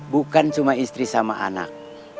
bukan cuma istri sama anak